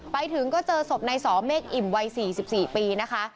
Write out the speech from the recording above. ไปถึงก็เจอศพในสอเมฆอิ่มวัย๔๔ปีนะคะ